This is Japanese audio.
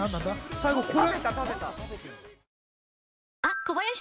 最後これ。